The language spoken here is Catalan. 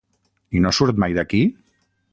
I no surt mai d'aquí?